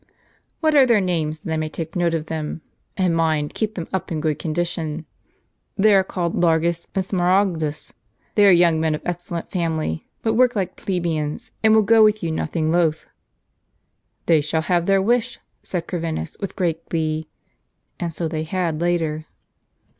" What are their names, that I may take a note of them ? And mind, keep them up in good condition." " They are called Largus and Smaragdus; they are young men of excellent family, but work like plebeians, and will go with you nothing loth." "They shall have their wish," said Corvinus, with great glee. And so they had later.